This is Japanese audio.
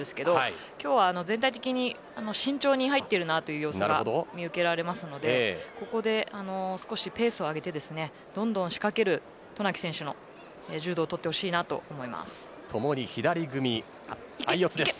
今日は全体的に慎重に入っているという様子が見受けられますのでここで少しペースを上げてどんどんしかける渡名喜選手の柔道をともに左組みです。